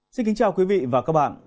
xin kính chào quý vị và các bạn